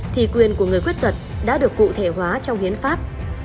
thì quyền của người khuyết tật đã được cụ thể hóa trong hiến pháp